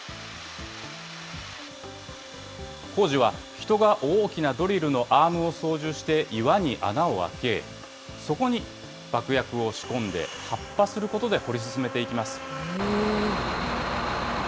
工事は、人が大きなドリルのアームを操縦して岩に穴を開け、そこに爆薬を仕込んで発破することで掘り進めていきます。